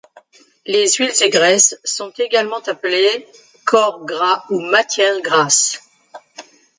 Les huiles et graisses sont également appelées corps gras ou matière grasse.